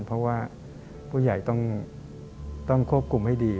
เพราะว่าผู้ใหญ่ต้องควบคุมให้ดี